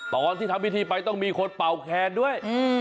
ตอนที่ทำพิธีไปต้องมีคนเป่าแคนด้วย